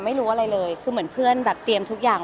ไม่รู้อะไรเลยคือเหมือนเพื่อนแบบเตรียมทุกอย่าง